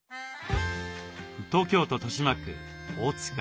東京都豊島区大塚。